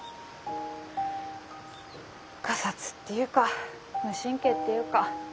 がさつっていうか無神経っていうか。